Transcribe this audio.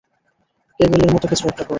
কেগেলের মতো কিছু একটা করো!